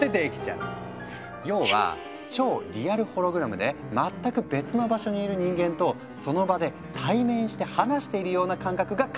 要は超リアルホログラムで全く別の場所にいる人間とその場で対面して話しているような感覚が可能に。